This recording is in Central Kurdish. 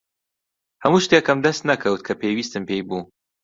هەموو شتێکم دەست نەکەوت کە پێویستم پێی بوو.